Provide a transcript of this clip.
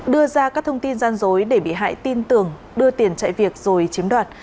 đưa ra các thông tin gian dối để bị hại tin tưởng đưa tiền chạy việc rồi chiếm đoạt